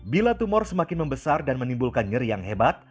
bila tumor semakin membesar dan menimbulkan nyeri yang hebat